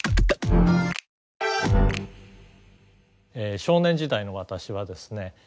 少年時代の私はですね